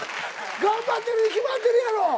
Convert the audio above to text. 頑張ってるに決まってるやろ！